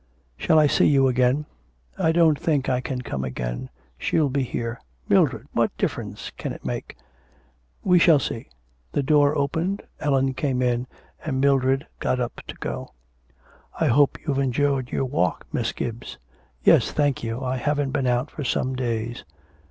'Shall I see you again?' 'I don't think I can come again. She'll be here.' 'Mildred! What difference can it make?' 'We shall see. ...' The door opened. Ellen came in, and Mildred got up to go. 'I hope you've enjoyed your walk, Miss Gibbs.' 'Yes, thank you. I haven't been out for some days.'